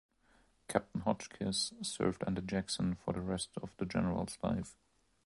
Captain Hotchkiss served under Jackson for the rest of the general's life.